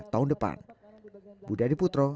tahun depan budady putro